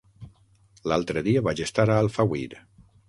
L'altre dia vaig estar a Alfauir.